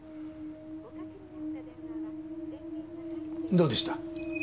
どうでした？